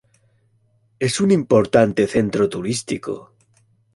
Es un importante centro turístico.